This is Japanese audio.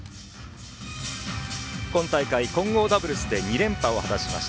今大会、混合ダブルスで２連覇を果たしました。